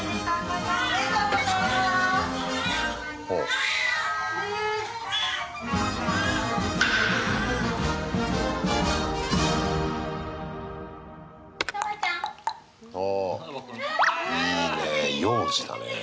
いいねえ、幼児だね。